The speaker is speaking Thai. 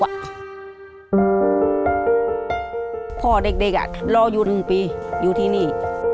พ่อเด็กรออยู่๑ปีอยู่ที่นี่